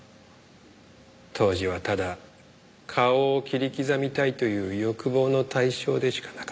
当時はただ顔を切り刻みたいという欲望の対象でしかなかった。